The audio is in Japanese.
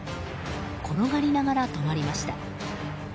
転がりながら止まりました。